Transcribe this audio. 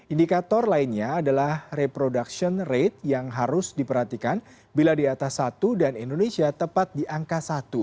indikator lainnya adalah reproduction rate yang harus diperhatikan bila di atas satu dan indonesia tepat di angka satu